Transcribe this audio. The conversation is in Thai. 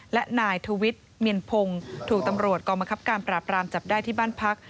และนายทวิทย์เมียนพงศ์ถูกตำรวจกองบังคับการปราบรามจับได้ที่บ้านพัก